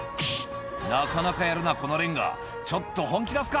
「なかなかやるなこのレンガちょっと本気出すか」